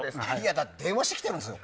だって電話してきてるんですよ。